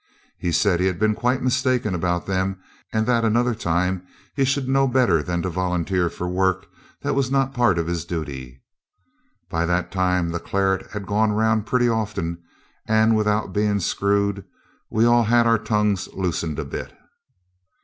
He said he had been quite mistaken about them, and that another time he should know better than to volunteer for work that was not part of his duty. By that time the claret had gone round pretty often; and without being screwed we'd all had our tongues loosened a bit.